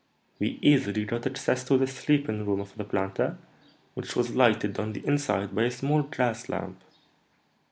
We easily got access to the sleeping room of the planter, which was lighted on the inside by a small glass lamp.